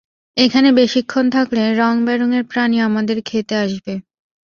এখানে বেশিক্ষণ থাকলে, রঙ-বেরঙের প্রাণী আমাদের খেতে আসবে।